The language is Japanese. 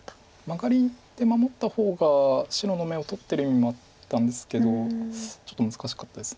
マガリで守った方が白の眼を取ってる意味もあったんですけどちょっと難しかったです。